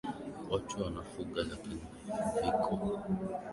watu wanafuga lakini viko